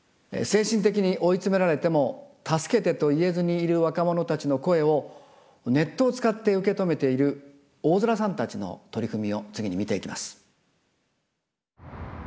精神的に追い詰められても助けてと言えずにいる若者たちの声をネットを使って受け止めている大空さんたちの取り組みを次に見ていきます。